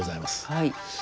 はい。